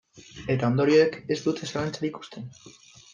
Eta ondorioek ez dute zalantzarik uzten.